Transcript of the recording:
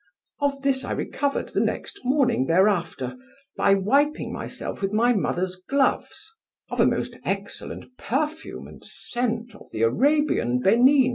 Of this I recovered the next morning thereafter, by wiping myself with my mother's gloves, of a most excellent perfume and scent of the Arabian Benin.